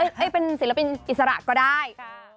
ให้เป็นศิลปินอิสระก็ได้